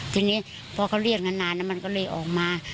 ทีนี้พอเขาเรียกนานมันก็เลยออกมา